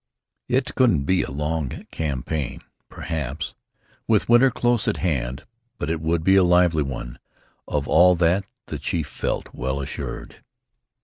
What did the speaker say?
It couldn't be a long campaign, perhaps, with winter close at hand, but it would be a lively one. Of that the chief felt well assured.